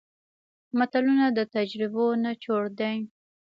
متلونه د تجربو نچوړ دی